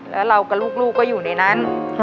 แล้วเรากับลูกก็อยู่ในนั้น